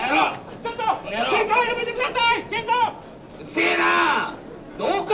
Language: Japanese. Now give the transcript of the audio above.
ちょっと、けんかはやめてください。